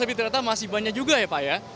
tapi ternyata masih banyak juga ya pak ya